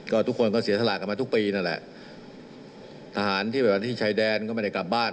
ก็ทุกคนก็เสียสละกันมาทุกปีนั่นแหละทหารที่แบบว่าที่ชายแดนก็ไม่ได้กลับบ้าน